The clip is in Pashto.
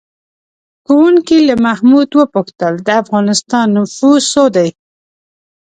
ښوونکي له محمود وپوښتل: د افغانستان نفوس څو دی؟